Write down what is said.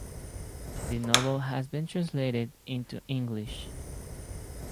The novel has been translated into English.